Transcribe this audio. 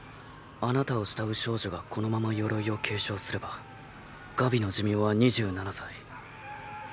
あなたを慕う少女がこのまま「鎧」を継承すればガビの寿命は２７歳。